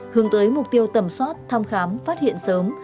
hướng tới mục tiêu tầm soát thăm khám phát hiện sớm